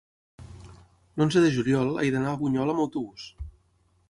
L'onze de juliol he d'anar a Bunyol amb autobús.